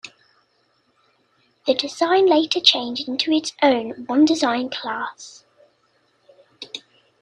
The design later changed into its own one-design class.